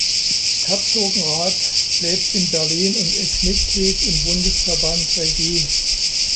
Herzogenrath lebt in Berlin und ist Mitglied im Bundesverband Regie.